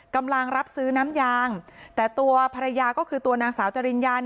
กำลังรับซื้อน้ำยางแต่ตัวภรรยาก็คือตัวนางสาวจริญญา